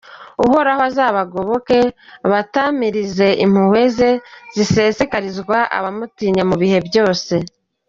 Uhoraho azabagoboke, abatamirize impuwe ze zisesekarizwa abamutinya mu bihe byose.